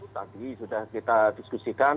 tadi sudah kita diskusikan